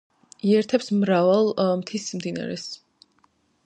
იერთებს მრავალ მთის მდინარეს.